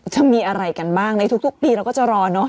จะมีอะไรกันบ้างในทุกปีเราก็จะรอเนอะ